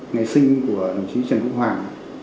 ngày sinh của đồng chí trần quốc hoàn